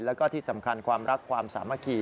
แล้วก็ที่สำคัญความรักความสามัคคี